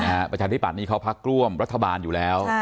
อาจารย์ประชาธิบัตินี้เขาพักร่วมประธาบาลอยู่แล้ว